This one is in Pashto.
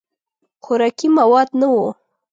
خوراکي مواد نه وو.